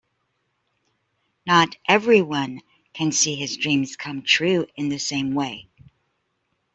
Not everyone can see his dreams come true in the same way.